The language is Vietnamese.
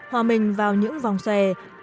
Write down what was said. hòa bình vào những vòng xe